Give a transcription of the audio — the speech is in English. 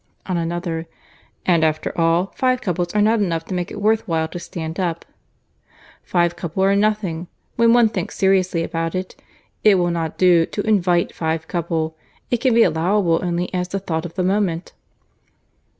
On another, "And after all, five couple are not enough to make it worth while to stand up. Five couple are nothing, when one thinks seriously about it. It will not do to invite five couple. It can be allowable only as the thought of the moment."